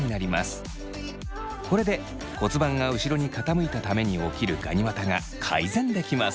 これで骨盤が後ろに傾いたために起きるガニ股が改善できます。